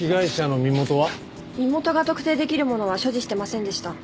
身元が特定できるものは所持してませんでした。